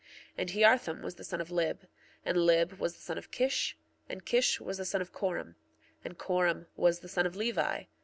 1:17 And Hearthom was the son of Lib. 1:18 And Lib was the son of Kish. 1:19 And Kish was the son of Corom. 1:20 And Corom was the son of Levi.